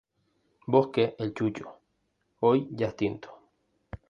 Bosque El Chucho: Hoy ya extinto.